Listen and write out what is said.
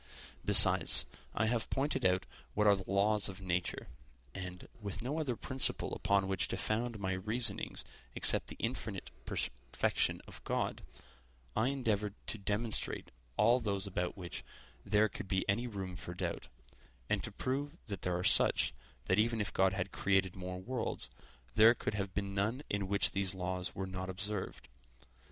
Besides, I have pointed out what are the laws of nature; and, with no other principle upon which to found my reasonings except the infinite perfection of God, I endeavored to demonstrate all those about which there could be any room for doubt, and to prove that they are such, that even if God had created more worlds, there could have been none in which these laws were not observed.